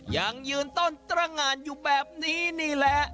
ยังยืนต้นตรงานอยู่แบบนี้นี่แหละ